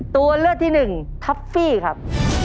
ตัวเลือกที่หนึ่งท็อฟฟี่ครับ